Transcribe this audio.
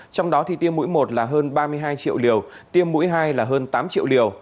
trong đó thì tiêm mũi một là hơn ba mươi hai triệu liều tiêm mũi hai là hơn tám triệu liều